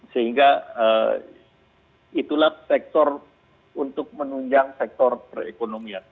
sehingga itulah sektor untuk menunjang sektor perekonomian